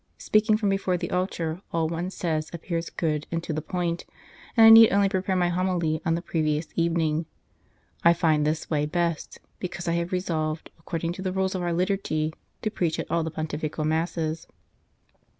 Speaking from before the altar all one says appears good and to the point, and I need only prepare my homily on the previous evening. I find this way best, because I have resolved, according to the rules of our liturgy, to preach at all the pontifical Masses.